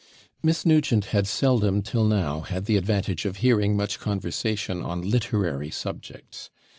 Miss Nugent had seldom till now had the advantage of hearing much conversation on literary subjects.